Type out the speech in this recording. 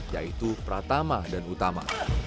yaitu pratama dan utama